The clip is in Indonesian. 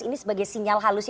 ini sebagai sebuah kontestasi